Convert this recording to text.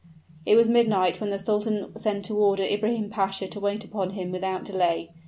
It was midnight when the sultan sent to order Ibrahim Pasha to wait upon him without delay.